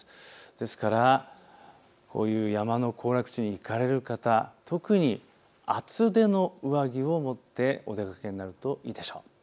ですから山の行楽地に行かれる方、特に厚手の上着を持ってお出かけになるといいでしょう。